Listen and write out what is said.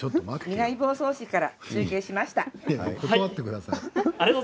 南房総市から中継しました。